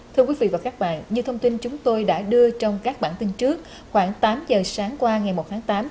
thưa quý vị và các bạn như thông tin chúng tôi đã đưa trong các bản tin trước khoảng tám giờ sáng qua ngày một tháng tám